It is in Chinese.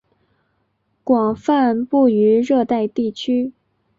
广泛布于热带地区。